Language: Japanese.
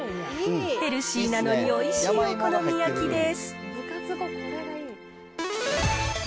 ヘルシーなのにおいしいお好み焼きです。